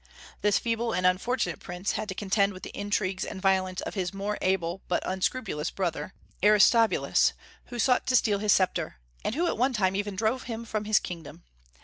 This feeble and unfortunate prince had to contend with the intrigues and violence of his more able but unscrupulous brother, Aristobulus, who sought to steal his sceptre, and who at one time even drove him from his kingdom.